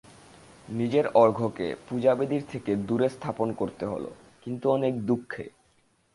নিজের অর্ঘ্যকে পূজাবেদীর থেকে দূরে স্থাপন করতে হল, কিন্তু অনেক দুঃখে।